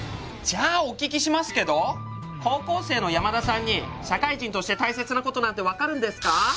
じゃあお聞きしますけど高校生の山田さんに社会人として大切なことなんて分かるんですか？